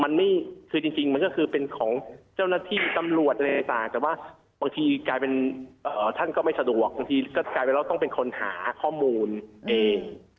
มันไม่คือจริงมันก็คือเป็นของเจ้าหน้าที่ตำรวจอะไรต่างแต่ว่าบางทีกลายเป็นท่านก็ไม่สะดวกบางทีก็กลายเป็นว่าต้องเป็นคนหาข้อมูลเอง